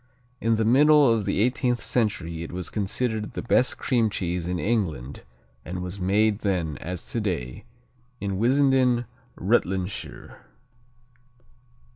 In the middle of the eighteenth century it was considered the best cream cheese in England and was made then, as today, in Wissenden, Rutlandshire.